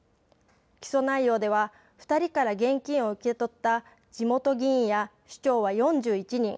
起訴内容では、２人から現金を受け取った地元議員や首長は４１人。